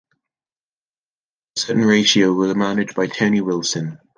A Certain Ratio were managed by Tony Wilson.